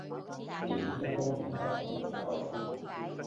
點都幫你度掂佢